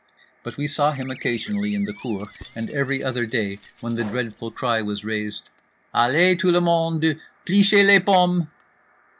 But we saw him occasionally in the cour; and every other day when the dreadful cry was raised "_Allez, tout le monde, 'plucher les pommes!